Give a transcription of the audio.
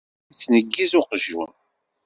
Yettneggiz uqjun.